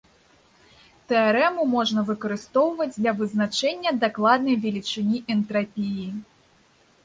Тэарэму можна выкарыстоўваць для вызначэння дакладнай велічыні энтрапіі.